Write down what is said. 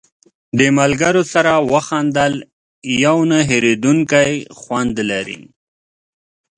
د ملګرو سره وخندل یو نه هېرېدونکی خوند لري.